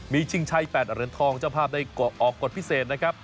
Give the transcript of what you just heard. มีชิงชัย๘เหรียญทองเจ้าภาพได้ออกกฎพิเศษนะครับ